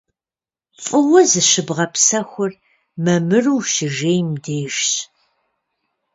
ФӀыуэ зыщыбгъэпсэхур мамыру ущыжейм дежщ.